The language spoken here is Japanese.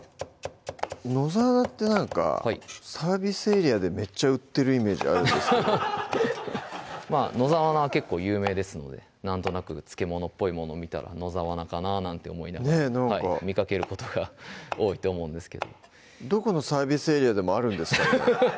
野沢菜ってなんかサービスエリアでめっちゃ売ってるイメージあるんですけど野沢菜は結構有名ですのでなんとなく漬け物っぽいものを見たら野沢菜かな？なんて思いながら見かけることが多いと思うんですけどどこのサービスエリアでもあるんですかね